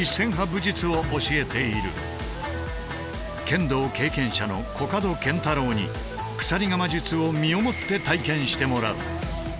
剣道経験者のコカドケンタロウに鎖鎌術を身をもって体験してもらう。